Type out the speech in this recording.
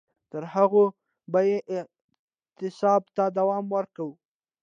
تر هغو به یې اعتصاب ته دوام ورکاوه.